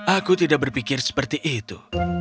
aku tidak berpikir seperti itu